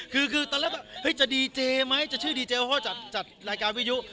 คือตอนแรกจะดีเจไหมจะชื่อดีเจพ่อจัดรายการวิทยุ